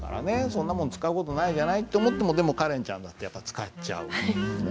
そんなもん使う事ないじゃないって思ってもでもカレンちゃんだってやっぱ使っちゃう。